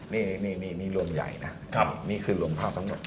นี่มีรวมใหญ่นะนี่คือรวมเท่าทั้งหมด